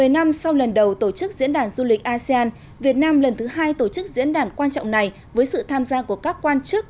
một mươi năm sau lần đầu tổ chức diễn đàn du lịch asean việt nam lần thứ hai tổ chức diễn đàn quan trọng này với sự tham gia của các quan chức